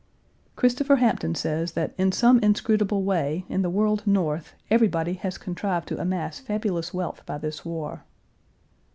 Christopher Hampton says that in some inscrutable way in the world North, everybody "has contrived to amass fabulous wealth by this war."